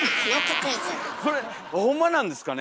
それほんまなんですかね？